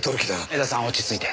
江田さん落ち着いて。